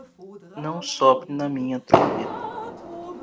Não sopre na minha trombeta.